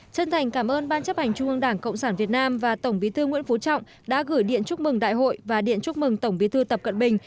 chân thành cảm ơn ban chấp hành trung ương đảng cộng sản việt nam và tổng bí thư nguyễn phú trọng đã gửi điện chúc mừng đại hội và điện chúc mừng tổng bí thư tập cận bình